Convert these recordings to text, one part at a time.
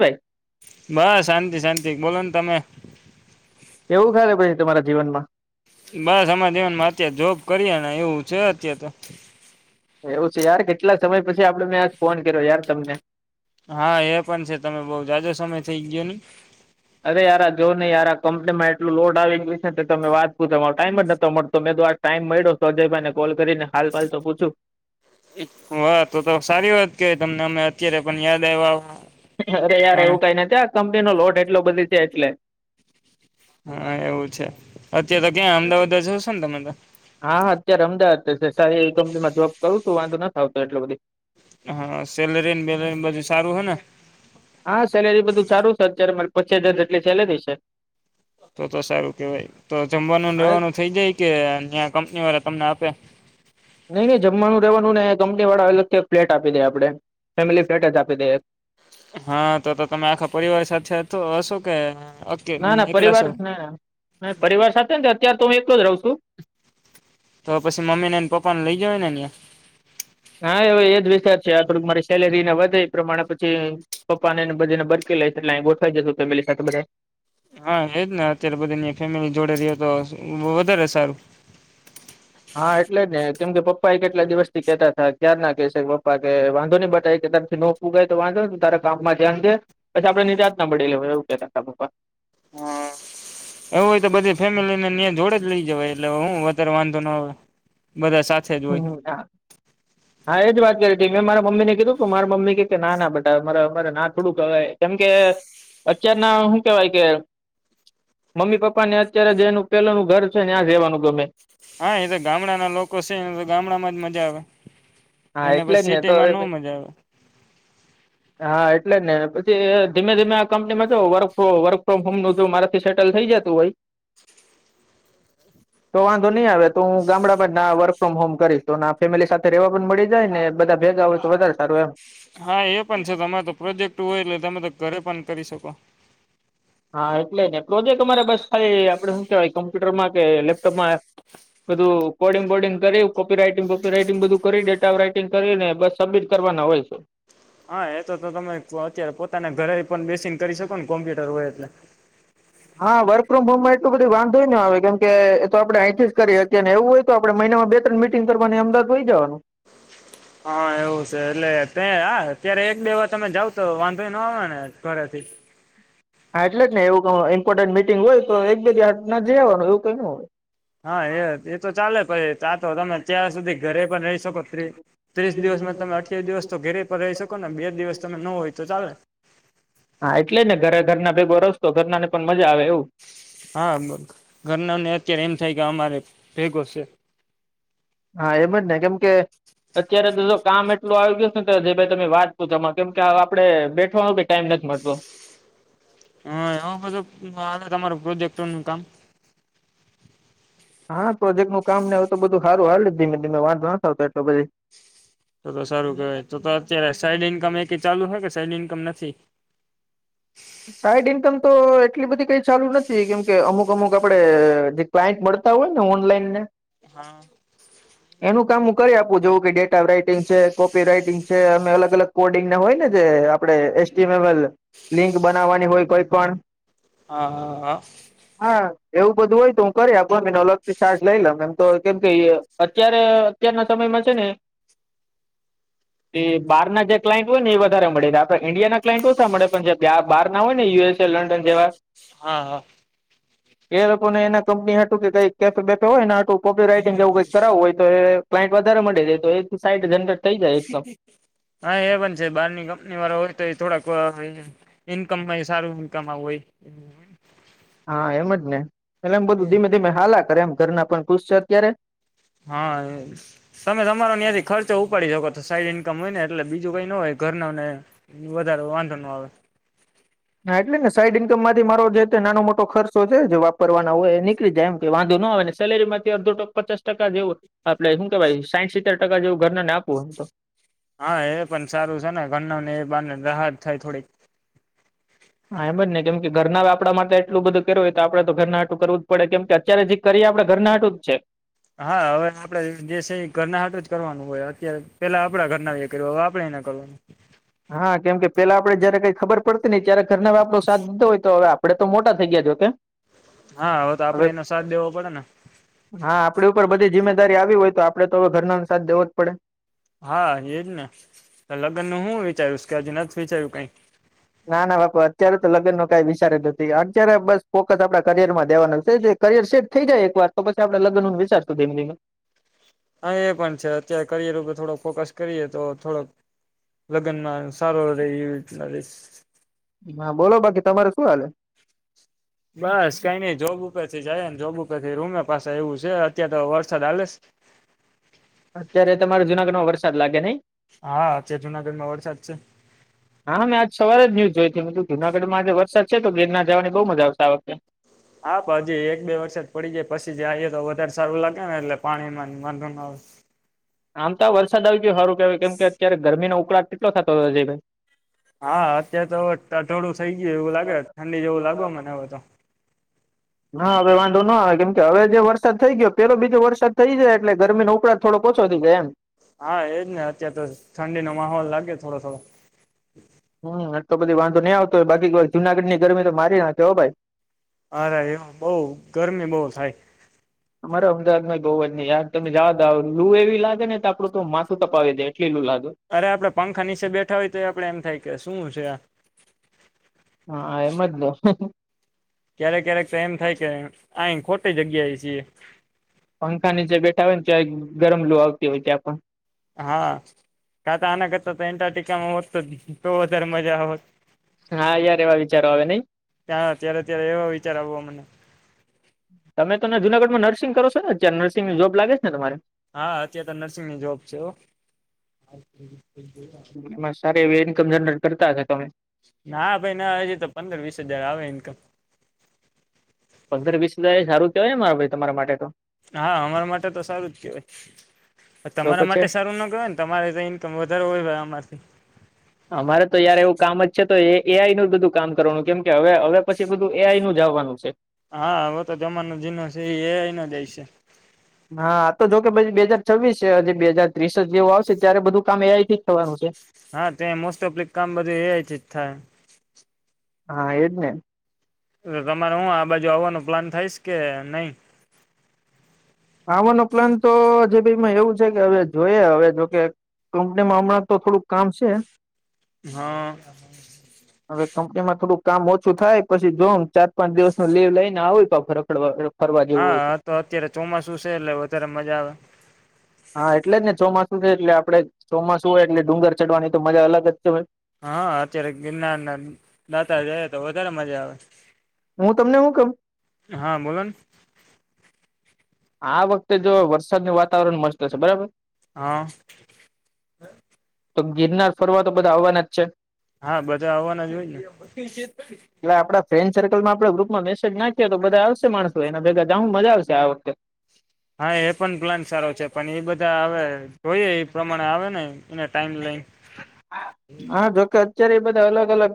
ભાઈ બસ શાંતિ શાંતિ બોલો ને તમે. એવું ખરે પછી તમારા જીવનમાં. બસ આમા જીવનમાં અત જોબ કરીએ ને એવું છે. અત્ય તો. એવું છે યાર કેટલા સમય પછી આપડે મેં ફોન કર્યો યાર તમને. હા એ પણ છે તમે બઉ જાદો સમય થઇ ગયો ની. અરે યાર જોવ નહી યાર કંપની માં એટલું લોડ આવી ગયું છે તો તમે વાત પૂછો મારું ટાઈમ જ નતો મળતો મે તો આ ટાઈમ મળ્યો તો અજયભાઈને કોલ કરીને હાલ પાલ તો પૂછું વા તો તો સારી વાત કેય તમને અમે અત્યારે પણ યાદ આવ્યા. અરે યાર ટાણે એવું કઈ નથી આ કંપની નો લોડ એટલો બધી છે એટલે હા એવું છે. અત્યારે તો ક્યાં અમદાવાદ જ છો ને તમે તો હા હા અત્યારે અમદાવાદ સારી એવી કંપનીમાં જોબ કરું છું વાંધો નથ આવતો એટલ બધી. હા સેલરી બેલરી બધું સારું હ ને હા સેલેરી બધું સારું છે અત્યારે માર પચીસ હજાર જેટલી ચાલેલી છે. તો તો સારું કેવાય તો જમવાનું હા લેવાનું થઇ જાય કે અં કંપની વાળા તમને આપે. નઈ નઈ જમવાનું રહેવાનું નને કંપની વાળા અલગથી ફ્લેટ આપી દે આપડે. ફેમિલી પ્લેટ જ આપી દે એક. હા તો તો તમે આખા પરિવાર સાથે હશો કે ઓકે ના ના એકલા પરિવાર છો ના પરિવાર સાથે અત્યારે તો હું એકલો જ રહ છું. તો પછી મમ્મી ને એને પપ્પા ને લઈ જ ને અહં હા હવે એજ વિચાર છે આ થોડ મારી સેલેરીને વધે એ પ્રમાણે પછી પપ્પા ને બધીને બર એટલે ગોઠવા જાસો ફેમિલી સાથે બધા હા એજ ને અત્યારે બધ ફેમિલી જોડે રે તો વધારે સારું. હા એટલે જ ને કેમ કે પપ્પા એ કેટલા દિવસ થી કેતા હતા ક્યાર ના કેહેશે પપ્પા કે વાંધો નઈ બટ આ એક તારથી નોકું ગાય તો વાંધો તા કામમાં ધ્યાન દે પછી આપડે નિજત ના મળી લેવા એવું કેતા હતા પપા. [inaudible] એવું હોય તો બધી ફેમિલીને ન્યા જોડ જ લઈ જવા એટલે હું વધારે વાંધો ના હોય. હમ હા હા એજ વાત કરી મેં મારા મમ્મી ને કીધું કે મારા મમ્મી કે કે ના બતા મારા અમારે ના થોડું કવાય કેમ કે અચ્ચાર ના શું કેવાય કે મમ્મી પપ્પા ને અત્યારે જે એનું પેલાનું ઘર છે ને આ જવાનું ગમે. હા એ તો ગામડાના લોકો છે ને તો ગામડામાં જ મજા આવે. હા એને એટલે બસ જ ને તો સિટીમાં ન મજા આવે હા એટલે જ ને ધીમે ધીમે આ કંપનીમાં જ વર્ક વર્ક ફ્રોમ હોમ ન જો મારાથી સેટલ થઈ જતું હોઈ. [inaudible] તો વાંધો નહી આવે તો હું ગામડા બાદ ના વર્ક ફ્રોમ હોમ કરીશ તો ના ફેમિલી સાથે રવા મળી જાય ને બધા ભેગા હોય તો વધારે સારું એમ. હા એ પણ છે. તમારે તો પ્રોજેક્ટ હોય એટલે તમે તો ઘરે પણ કરી શકો. હા એટલે ને પ્રોજેક્ટ અરે બસ ખાલી આપડે શું કેવાય કોમ્પ્યુટરમાં કે લેપટોપમાં બધું કોડિંગ બોડિંગ કરી કોપી રાઈટિંગ કોપી રાઈટિંગ બધું કરી ડેટા ઓફ રાઈટિંગ કરીને બસ સબિટ કરવાના હોય છે. હા એ તો તો તમે અત્યારે પોતાના ઘરે પણ બેસીને કરી શકો કોમ્પ્યુટર હોય એટલે હા વર્ક ફ્રોમ હોમમાં એટલું બધું વાંધોય ન આવે કેમ કે એ તો આપણે અહીંથી જ કરી હતી ને એવું હોય તો આપણે મય ને આવા બે ત્રણ મિટિંગ કરવાને અમદાવાદ વય જવાનું હા એવું છે એટલે તે આ અત્યારે એક બે વાર તમે જાવ તો વાંધો ન આવે ને ઘરેથી [inaudible] હા એટલે જ ને એવું કવ ઈમ્પોર્ટન્ટ મિટિંગ હોય તો એક બી ના જઈ આવાનું એવું કઈ ન હોય હા એ એ તો ચાલે પહી તા તો રમે ત્યાર સુધી ઘરે પણ રહી શકો ત્રી ત્રીસ દિવસમાં તમે અઠ્યાવી દિવસ તો ઘેરે પર રહી શકો ને બે દિવસ તમે ન હોય તો ચાલે હા એટલે ને ઘરે ઘરના ભેગો રસતો ઘરનાને પણ મજા આવે એવું હા ઘરનાને અત્યારે એમ થાય કે અમારે ભેગો છે હા એમ જ ને કેમ કે અત્યારે તો જો કામ એટલું આવી ગયું છે ને તો જે ભાઈ તમે વાત પૂછમાં કેમ કે આપડે બેઠવાનો ભી ટાઈમ નથી મર્દો હા એ બધું તમારું પ્રોજેક્ટ નું કામ હા પ્રોજેક્ટ નું કામ ને હોય તો બધું સારું હા ધીમે ધીમે વાંધ ના થતો એટલે બધી તો તો સારું કેહેવાય તો અત્યારે સાઈડ ઈન્કમ એ ચાલુ છે કે સાઈડ ઈન્કમ નથી [inaudible] સાઈડ ઈન્કમ તો એટલી બધી કઈ ચાલુ નથી કેમકે અમુક અમુક આપડે જે ક્લાયન્ટ મળ કરતા હોય ને ઓનલાઈન ને હા. એનું કામ હું કરી આપું જોવું કે ડેટા રાઈટિંગ છે, કોપી રાઈટિંગ છે, અને અલગ અલગ કોડિંગ ને હોય ને જે એ આપણે એસ્ટિમેબલ લિંક બનાવવાની હોય કોઈ પણ હા હા હા હા એવું બધું હોય તો હું કરી આપુ અને અલગથી ચાર્જ લઈ લમ એમ તો કેમ કે અત્યારે અત્યારના સમય મજાને. એ બહાર ના જે ક્લાઇન્ટ હોય ને એ વધારે મળીને આપે ઈન્ડિયાના ક્લાઇન્ટ ઓછા મળે પણ જે આ બાહાર ના હોય ને યુએસે, લંડન જેવા હા, હા એ લોકો ને એના કંપની હતુ કે કંય કેફ બેઠ હોય ને આટું કોપી રાઈટંગ જેવુ કઈક કરાવવું હોય તો એ ક્લાઈન્ટ વધારે મળે જાય તો એથી સાઈ જનરેટ થઈ જાય એકદમ હા એ પણ છે, બહારની કંપની વાળા હોય તો એ થોડાક [unintelligible] ઈન્કમ મય સારું ઈન્કમ આવું હોય હા એમ જ ને એટલે એમ એ બધું ધીમે ધીમે હાલા કરે એમ ઘરના પણ ખુશ છે, અત્યારે હા તમે તમારો ત્યાંથી ખર્ચો ઉપાડી શકો તો સાઈડ ઇન્કમ હોય ને એટલે બીજું કઈ ન હોય ઘરનાને વધારે વાંધો ન આવે [inaudible] હા એટલેને સાઈડ ઈન્કમ માંથી મારો જેતે નાનો મોટો ખર્ચો છે, જે વાપરવાનો હોય એ નીકળી જાય એમ કે વાંધો ન આવે ને સેલેરીમાંથી અડધો પચાસ ટકા જેવું આપડે હું કેવાય સાઈઠ સિત્તેર ટકા જેવું ઘરના ને આપવું [inaudible] હા એ પણ સારું છે, ને ઘરનુને એ બારનુ રાહત થાય થોડીક હા એમ જ ને કેમ કે ઘરના અવે આપણા માટે એટલું બધું કર્યું હોય તો આપડે તો ઘરના એટું કરવું જ પડે કેમ કે અત્યારે જે કરી એ આપડા ઘરના હાટું જ છે. હા હવે આપડે જે છે એ ઘરના હારુ જ કરવાનું હોય અત્યારે પેલા આપડા ઘરના એ કર્યું હવે આપણે ના કરવાનું હા કેમ કે પેલા આપણે જયારે કઈ ખબર પડતી નઈ ત્યારે ઘરના બાપ સાથ દીધો હોય તો હવે આપડે તો મોટા થઈ ગયા જો કે હા હવે તો આપડે એનો સાથ દેવો પડે ને હા આપડી ઉપર બધી જિમ્મેદારી આવી હોય તો આપડે તો હવે ઘરનો સાથ દેવો જ પડે હા એજ ને લગ્ન ન હું વિચાર્યુંશ કે હજુ નથી વિચાર્યું કઈ ના ના બાપુ અત્યારે તો લગ્ન ન કઈ વિચાર નથી અત્યારે બસ ફોકસ આપડા કરિયર માં દેવાનું છે કરિયર સેટ થઈ જાય એક વાર તો પછી આપણે લગ્નનું વિચારશું ધીમે ધીમે હા એ પણ છે અત્યારે કરિયરર થોડોક ફોકસ કરીએ તો થોડોક લગ્નમાં સારો રહેે એવી રીતના ર હા બોલો બાકી તમારે શું હલે બસ કઈ નઈ જોબુર થી જાય ને જોબુર થી રૂમે પાસે એવું છે અત્યારે તો વરસાદ આાલે અત્યારે તમારે જુનાગઢ માં વરસાદ લાગે નય હા આજે જૂનાગઢમાં વરસાદ છે જુનાગઢ મે વર્ષા છે ના જોવા ખૂબ મખા આવે છે હા ભાઈજી વરસાદ પડી જાય પછી જાય તો વધારે સારું લાગે ને એટલે પાણીમાં વાંધો ના આવે આમ તો વરસાદ આવી ગયો સારું કેવાય કેમ કે અત્યારે ગરમીનો ઉકળાટ કેટલો થતો હતો જય ભાઈ હા અત્યારે તો થોડું થઈ ગયું એવું લાગે ઠંડી જેવું લાગે મને હવે તો હા હવે વાંધો ન આવે કેમ કે હવે જે વરસાદ થઈ ગયો પેલો બીજો વરસાદ થઈ જાય એટલે ગરમીનો ઉકળાટ થોડો ઓછો [inaudible] એમ હા એજ ને અત્યારે તો ઠંડીનો માહોલ લાગે થોડો થોડો હમ એટલો બધી વાંધો નહી આવતો હોય બાકી જુનાગઢની ગરમી તો મારી નાખે હો ભાઈ અરે એવું બોવ ગરમી બોવ થાય અમારે અમદાવાદમાં જ બહુ જ નહીં યાર તમે જવા દાવ લુ એવી લાગે ને તો આપડું તો માથું તપાવી દે એ અરે આપડે પંખા નીચે બેઠા હોય તો આપડે એમ થાય કે શું છે, આ હા એમ જ ને ક્યારેક ક્યારેક તો એમ થાય કે અહી ખોટી જગ્યા એ છીએ પંખા ની જે બેઠા હોય ને ત્યાં ગરમ લોુ આવતી હોય ત્યાં પણ હા કાતા આના કરતા તો એન્ટાર્ક્ટિકામાં હોત તો તોવધારેમજા આવત હા યાર એવા વિચારો આવે નઈ ક્યાં અત્યારે ત્યારે એવા વિચાર આવો મમને તમે તો જુનાગઢમાં નર્સિંગ કરો જ નર્સિંગ જોબ લાગે છે ને તમારે હા અત્યાં તો નર્સિંગની જોબ છે એમાં સારી એ ઈન્કમ જનરેટ કરતા હતાો તમે ના ભાઈ ના હજી તો પંદર વીસ હજાર આવે ઇન્કમ પંદર વીસ હજાર સારું કેવાય મારે ભઈ તમારા માટે તો હા અમારા માટે તો સારું જ કહેવાય તો તમારા પછી માટે સારું ના કેય ને તમારે ઈન્કમ વધારેો હોય અમારથી અમારે તો યાર એવું કામ જ છે તો એઆઈ નું બધું કામ કરવાનું કેમ કે હવે હવે પછી બધું એઆઈ નું જ તવાનુ છે હા હવે તો જમાનો જીનો છે એ આઈનો હશે હા તો જો કે પછી બે હાજર છવવીસ બે હાજર ત્રીસ જ જેવું આવશે ત્યારે બધું કામ એ આઈ જ ઠીક થવાનું છે હા ત મોસ્ટ ઓફ્ કામ બધું એ થાય હા એજને તમારે હું આ બાજુ આવવાનું પ્લાન થઈશ કે નહી આવવાનો પ્લાન તો હજી એવું છે કે હવે જોઈએ હવે જોકે કંપનીમાં હમણાં તો થોડુંક કામ છે હા હવે કંપનીમાં થોડું કામ ઓછું થાય પછી જોઉ ચાર પાંચ દિવસ નું લીવ લઈને આવ પણ ફ રખડવા હા હા તો અત્યારે ચોમાસું છે એટલે વધારે મજા આવે હા એટલે જ ને ચોમાસું છે એટલે આપડે ચોમાસું હોય એટલે ડુંગર ચડવાની તો મજા અલગ જ છે હોય હા અત્યારે ગિરનાર ના દાતા જાય તો વધારે મજા આવે હું તમને હું કવ હા બોલો ને આ વખતે જો વરસાદનું વાતાવરણ મસ્તશે બરાબર? હ. તો ગિરનાર ફરવા તો બધા આવવાના જ છે. હા બધા આવવાના જો હોય ને. એટલે આપડા ફ્રેન્ડ સર્કલમાં આપણે ગ્રુપમાં મેસેજ નાખીએ તો બધા આવશે માણસો એના ભેગા જાહુ હું મજા આવશે આ વખતે. હા એ પણ પ્લાન સારો છે પણ એ બધા હવે જોઈએ એ પ્રમાણે આવે ને એને ટાઈમ લઈ. હા જોકે અત્યારે એ બધા અલગ અલગ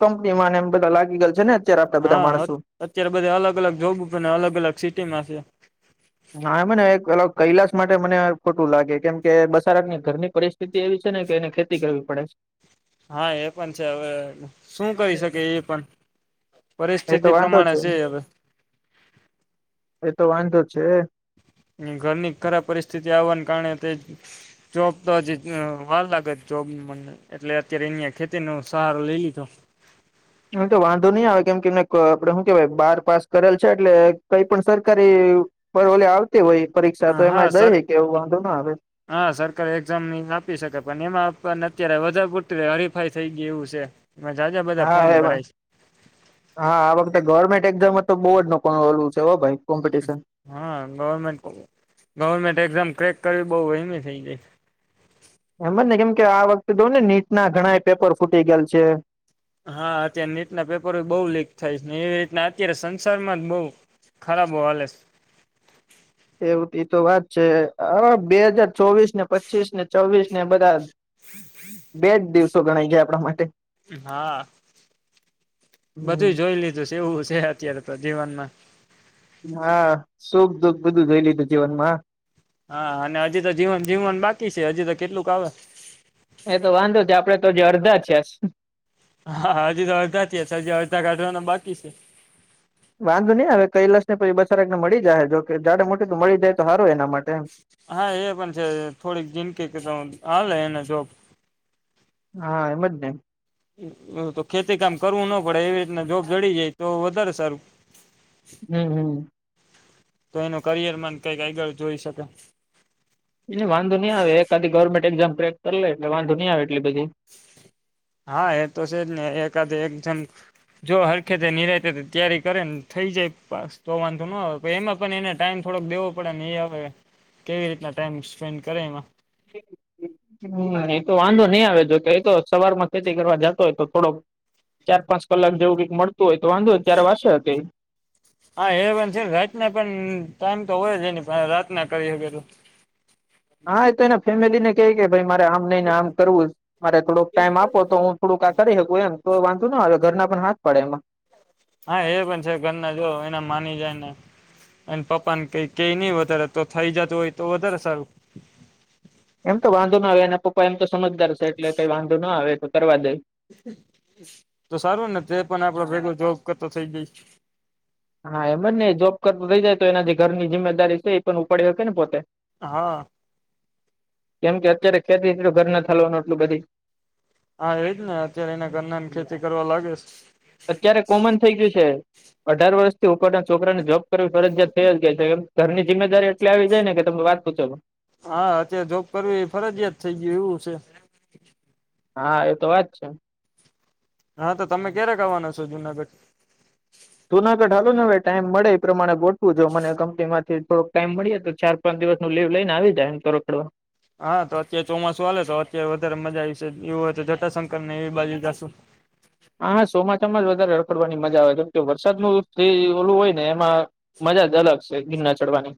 કંપની ને એમ બધા લાગી ગયયા છે ને અત્યારે આપડા બધા હા અત માણસો અત્યારે બધ અલગ-અલગ જોગ અને અલગ-અલગ સિટીમાં છે. હા મને એક અલગ કૈલાસ માટે મને ખોટું લાગે કેમ કે બસારત ની ઘરની પરિસ્થિતિ એવી છે ને કે એને ખેતી કરવી પડે છે. હા એ પણ છે હવે શું કરી શકે એ પણ. એ તો પરિસ્થિતિ વાંધો પ્રમાણે છે હવે એતો વાંધો છે. ઘરની ખરાબ પરિસ્થિતિ આવવા કારણે તે જોબ તો જ વાર લાગે જોબ એટલે અત્યારે અહિયાં ખેતી ન સહારો લઈ લીધો [inaudible] એમ તો વાંધો નહી આવે કેમ કે આપડે શું કેવાય બાર પાસ કરેલ છે એટલે કઈ પણ સરકારી ઓલે આવતી હોય પરીક્ષા તો હા એમાં દઈ સર હે કે એવું વાંધો ના આવે હા સરકારી એક્ઝામની આપી શકે પણ એમાં પણ અત્યારે વધારે પુરત હરીફાઈ થઈ ગય એવું છે. એમાં જાજા બધા હા ફોર્મ એમાં ભરાય છે હા આ વખતે ગવર્મેન્ટ એકદમ જ તો બોડ નો પણ ઓલું છે હો ભાઈ કોમ્પિટિશન હા ગવર્મેન્ટ ગવર્મેન્ટ એક્ઝામ ક્રેક [unintelligible] એમ થઈ જાય એમ જ ને કેમ કે આ વખતે દઉ ને નીટના ઘણા એ પેપર ફૂટી ગયેલ છે. હા અત્યારે નીટના પેપરો બહુ લીક થાય છે, એવી રીતના અત્યારે સંસારમાં જ બહ ખરાબ હો હાલેસ [inaudible] એવું એતો વાત છે હવે બે હાજાર ચોવીસ ને પચીસ ને ચવવીસ ને બધા [inaudible] તો ગણાય ગયા આપણા માટે. હા બધું જોઈ લીધું છે એવું જે અત્યારે તો જીવનમાં હા સુખ દુખ બધું જોઈ લીધું જીવનમાં. હા અને હજી તો જીવન જીવન બાકી છે હજી તો કેટલુંક આવે એતો વાંધો છે આપડે તો જ અડધા છે. હા હજી તો અડધા થ હજી અડધા કાઢવાના બાકી છે. વાંધો નહી હવે કઈ કૈલાશ ને પછી બસારને મળી જાય જો જાડે મોટી તો મળી જાય તો સારું એના માટે એમ હા એ પણ છે થોડીક જિંદકી કે ત હલે એના જોપ હા એમ જ ને. તો ખેતી કામ કરવું ન પડે એવી રીતના જોબ જડી જાય તો વધારે સારું. હમ હમ. તો એનું કરિયર મન કઈક આગળ જોઈ શકે. એ વાંધો નહં આવે એકા ગવર્મેન્ટ એક્ઝામ્રેક કરી લે એટલે વાંધો નહં આવે. એટલી બધી હા એ તો છે જ ને એકાદ એકજામ જો હરખેતે નિરાતે તૈયારી કરેને થઈ જાય તો વાંધો ન હો એમાં પણ એને ટાઈમ થોડોક દેવો પડે ને એ હવે કેવી રીતના ટાઈમ સ્પેન્ડ કરે એમાં. [inaudible] હ એતો વાંધો નહી આવે જો કે એતો સવાર માં ખેતી કરવા જતો હોય તો થોડોક ચાર પાંચ કલાક જેવું કંઈક મળતું હોય તો વાંધો ત્યારે વાસે હતી. હા એ પણ છે રાતના પણ ટાઈમ તો હોય જ એની પાહે રાતના કરી એ [unintelligible] હા એ તો એને ફેમિલીને કેય કે ભાઈ મા રે આમ નઈ ને આમ કરવું મારે થોડોક ટાઈમ આપો તો હું થોડુંક આ કરી શકું એમ તો વાંધો ના હવે ઘરના પણ હા જ પડે એમાં. હા એ પણ છે ઘરના જો એના માની જાય ને. એ પપ્પા ને કઈ કઈ નહિ વધારે તો થઈ જતું હોય તો વધારે સારું. એમ તો વાંધો ના આવે અને પપ્પા એમ તો સમજદાર છે એટલે કઈ વાંધો ના આવે તો કરવા દે. તો સારું ને તે પણ આપડે ભેગ જોબ કરતો થઈ ગઈ. હા એમ જ ને જોબ કરતો થઇ જાય તો એના જે ઘર ની જિમ્મેદારી છે એ પણ ઉપાડી શકે ને પોતે જ. હા. કેમ કે અત્યારે ખેતી એટલું ઘર ના થાલવાનું એટલું બધી. હા, એજ ને અત્યારે એને કરરના ને ખેતી કરવા લાગે છે. અત્યારે કોમન થઈ ગયું છે અઢાર વર્ષથી ઉપરના છોકરાને જોબ કરવી ફરજયાત થયા જ ગાય છે એમ? ઘરની જિમ્મેદારી એટલી આવી જાય ને કે તમે વાત. [unintelligible] હા, અત્યારે જોબ કરવી એ ફરજિયાત થઈ ગય એવું છે. હા, એ તો વાત છે. હા, તો તમે ક્યારે ગવાના છો? જુનાગઢ? જૂનાગઢાલો ને હવે ટાઈમ મળે એ પ્રમાણે ગોઠવું જો મને કંપની માંથી થોક ટાઈમ મળી તો ચાર પાંચ દિવસ નું લીવ લઈને આવી જાયને [unintelligible] હા, તો અત્યારે ચોમાસું આવેલે તો અત્યારે વધારે મજા આવીશે એવું હોય તો જટાશંકર ને એવી બાજુ જશું. હા! હા! ચોમા ચોમા જ વધારે રડખડવાની મજા આવે કેમ કે વરસાદનું [unintelligible] ઓલું હોય ને [unintelligible] માં મજા જ અલગ છે ગિના ચડવાની.